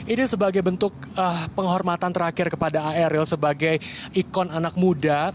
ini sebagai bentuk penghormatan terakhir kepada aeryl sebagai ikon anak muda